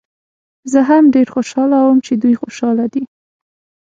زه هم ډېر خوشحاله وم چې دوی خوشحاله دي.